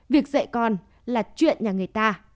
việc dạy con là chuyện nhà người ta